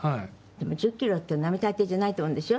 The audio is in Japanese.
でも１０キロって並大抵じゃないと思うんですよ。